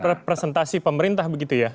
representasi pemerintah begitu ya